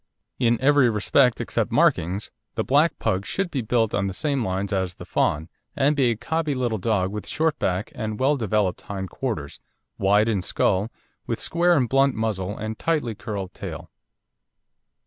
In every respect except markings the black Pug should be built on the same lines as the fawn, and be a cobby little dog with short back and well developed hind quarters, wide in skull, with square and blunt muzzle and tightly curled tail.